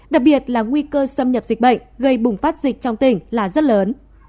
đặc biệt là nguy cơ xâm nhập dịch bệnh gây bùng phát dịch trong tỉnh là rất lớn